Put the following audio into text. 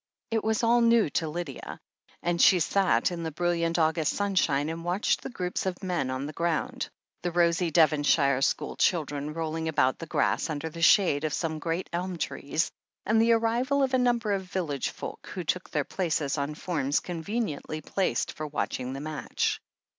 It was all new to Lydia, and she sat in the brilliant August sunshine and watched the groups of men on the ground, the rosy Devonshire school children rolling about the grass, tmder the shade of some great elm trees, and the arrival of a number of village folk who took their places on forms conveniently placed for watching the match.